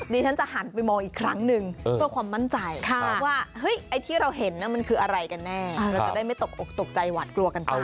ดิฉันจะหานไปมองอีกครั้งหนึ่ง